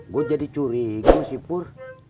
gue jadi curiga sipur